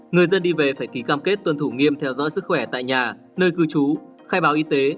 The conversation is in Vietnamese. người dân đi về phải ký cam kết tuân thủ nghiêm theo dõi sức khỏe tại nhà nơi cư trú khai báo y tế